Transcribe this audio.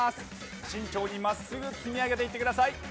慎重に真っすぐ積み上げていってください。